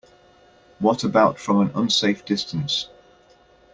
What about from an unsafe distance?